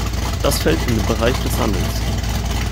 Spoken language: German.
Das fällt in den Bereich des Handels.